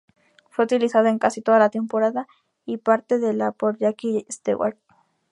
Fue utilizado en casi toda la temporada y parte de la por Jackie Stewart.